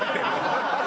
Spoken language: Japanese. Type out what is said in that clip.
ハハハハ！